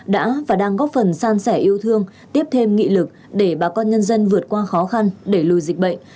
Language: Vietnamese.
đã và đang góp phần san sẻ yêu thương tiếp thêm nghị lực để bà con nhân dân vượt qua khó khăn để lùi dịch bệnh